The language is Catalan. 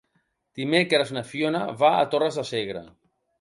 Dimecres na Fiona va a Torres de Segre.